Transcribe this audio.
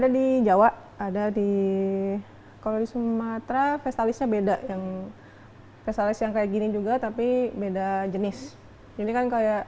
di balai ratu scheduling dan musimnya